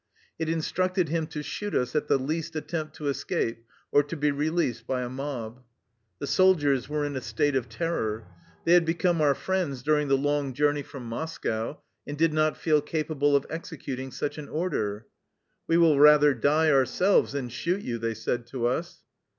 It instructed him to shoot us at the least attempt to escape or to be released by a mob. The soldiers were in a state of terror. They had become our friends during the long journey from Moscow, and did not feel capable of executing such an order. " We will rather die ourselves than shoot you," they said to us.